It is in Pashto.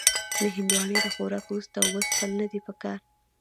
د هندوانې د خوراک وروسته اوبه څښل نه دي پکار.